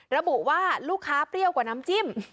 ระบุว่าลูกค้าเปรี้ยวกว่าน้ำจิ้ม